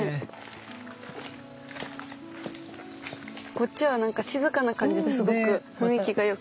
こっちはなんか静かな感じですごく雰囲気がよくて。